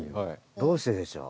どうしてでしょう？